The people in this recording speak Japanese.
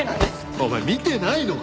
お前見てないのか？